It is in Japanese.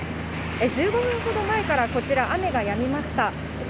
１５分ほど前からこちら、雨がやみました。